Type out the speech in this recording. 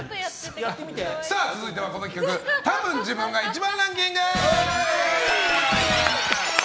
続いては、この企画たぶん自分が１番ランキング。